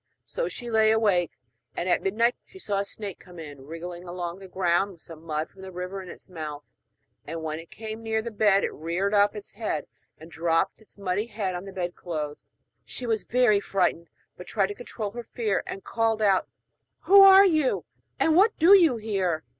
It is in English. So she lay awake, and at midnight she saw a snake come wriggling along the ground with some mud from the river in its mouth; and when it came near the bed, it reared up its head and dropped its muddy head on the bedclothes. She was very frightened, but tried to control her fear, and called out: 'Who are you, and what do you here?'